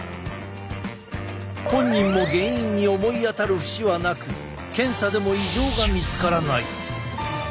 本人も原因に思い当たる節はなく検査でも異常が見つからない。